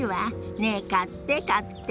ねえ買って買って！